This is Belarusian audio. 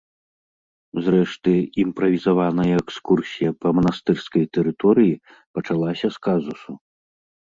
Зрэшты, імправізаваная экскурсія па манастырскай тэрыторыі пачалася з казусу.